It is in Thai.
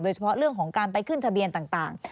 เฉพาะเรื่องของการไปขึ้นทะเบียนต่าง